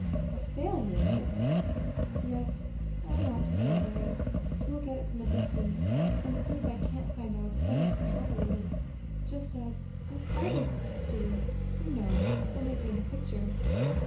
"A failure of it!" "Yes. I want to get away to look at it from a distance, and see if I can't find out what is the trouble with it, just as as artists do, you know, when they paint a picture."